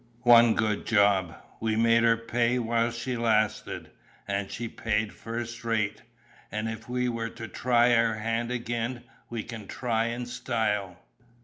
One good job: we made her pay while she lasted, and she paid first rate; and if we were to try our hand again, we can try in style.